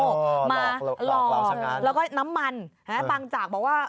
หลอกหลอกหลอกสังการณ์แล้วก็น้ำมันบางจากบอกว่า